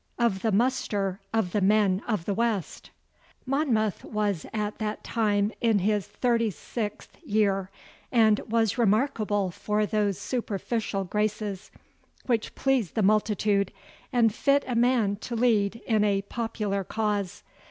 Of the Muster of the Men of the West Monmouth was at that time in his thirty sixth year, and was remarkable for those superficial graces which please the multitude and fit a man to lead in a popular cause.